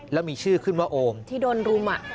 แล้วมีชื่อขึ้นว่าโอมที่โดนรุม